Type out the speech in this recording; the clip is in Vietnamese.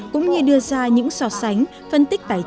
cũng như đưa ra những so sánh phân tích tài chính